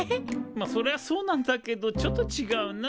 まあそれはそうなんだけどちょっとちがうな。